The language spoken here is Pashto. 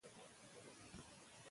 که پښتو ژبه وي، نو هویت به تل مهم وي.